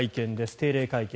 定例会見。